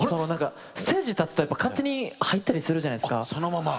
ステージに入ると勝手に入ったりするじゃないですか。